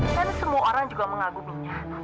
dan semua orang juga mengaguminya